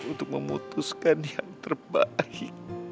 untuk memutuskan yang terbaik